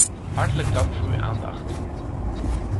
Hartelijk dank voor uw aandacht.